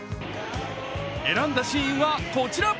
選んだシーンはこちら。